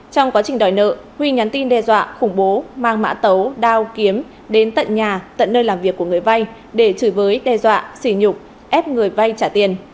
trong quá trình đòi nợ huy nhắn tin đe dọa khủng bố mang mã tấu đao kiếm đến tận nhà tận nơi làm việc của người vai để chửi với đe dọa xỉ nhục ép người vai trả tiền